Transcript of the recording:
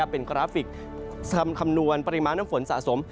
เป็นกราฟิกคำนวณปริมาณน้ำฝนสะสม